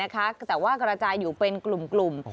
แต่จะกระจายเป็นกลุ่ม